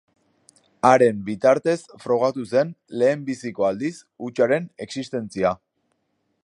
Haren bitartez frogatu zen lehenbiziko aldiz hutsaren existentzia.